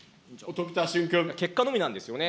結果のみなんですよね。